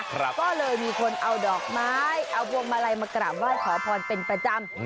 ก็เลยมีคนเอาดอกไม้เอาพวงมาลัยมากราบไหว้ขอพรเป็นประจำ